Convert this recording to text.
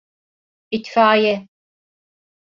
İtfaiye…